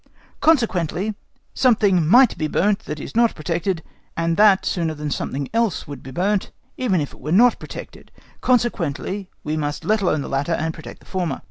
Consequently, something might be burnt that is not protected, and that sooner than something else would be burnt, even if it was not protected; consequently we must let alone the latter and protect the former.